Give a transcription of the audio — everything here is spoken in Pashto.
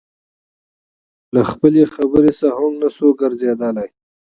له خپلې خبرې څخه هم نشوى ګرځېدى.